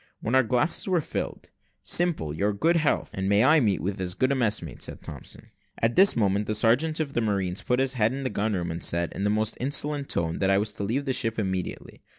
When our glasses were filled "Simple, your good health, and may I meet with as good a messmate," said Thompson. At this moment, the sergeant of marines put his head in at the gun room door, and said, in a most insolent tone, that I was to leave the ship immediately.